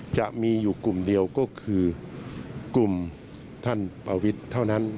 จะมีอยู่กลุ่มเดียวก็คือกลุ่มท่านประวิทย์เท่านั้น